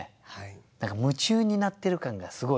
何か夢中になってる感がすごいいいね。